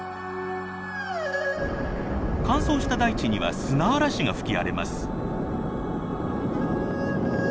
乾燥した大地には砂嵐が吹き荒れます。